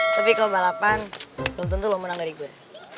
tapi kalau balapan lo tentu menang dari gue